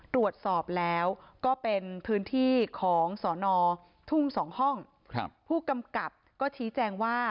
ตรวจสอบแล้วก็เป็นพื้นที่ของสอนอทุ่งสองห้องครับผู้กำกับก็ชี้แจงว่า